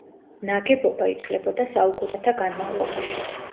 ნაგებობა იცვლებოდა საუკუნეთა განმავლობაში.